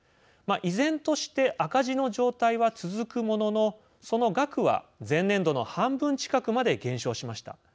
依然として赤字の状態は続くもののその額は前年度の半分近くまで減少しました。